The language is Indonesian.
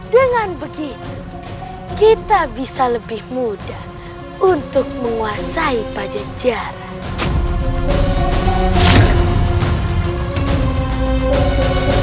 dengan begitu kita bisa lebih mudah untuk menguasai pajak jarak